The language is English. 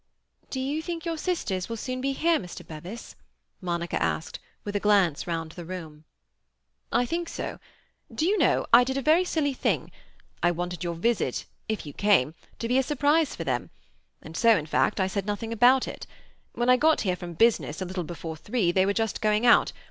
"Do you think your sisters will soon be here, Mr. Bevis?" Monica asked, with a glance round the room. "I think so. Do you know, I did a very silly thing. I wanted your visit (if you came) to be a surprise for them, and so—in fact, I said nothing about it. When I got here from business, a little before three, they were just going out.